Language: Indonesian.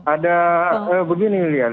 ada begini lih